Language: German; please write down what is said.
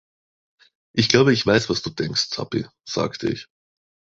„Ich glaube, ich weiß, was du denkst, Tuppy,“ sagte ich.